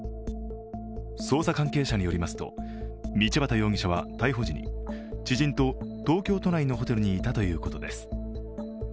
捜査関係者によりますと道端容疑者は逮捕時に知人と東京都内のホテルにいたということです。